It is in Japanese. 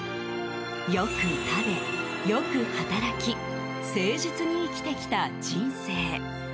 よく食べ、良く働き誠実に生きてきた人生。